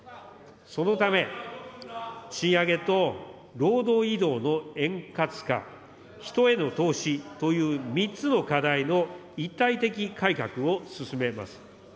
そのため、賃上げと労働移動の円滑化、人への投資という３つの課題の一体的改革を進めます。